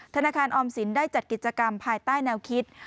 ธนาคารออมสินได้จัดกิจกรรมภายใต้แนวคิด